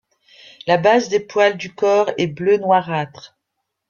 La base des poils du corps est bleue noirâtre.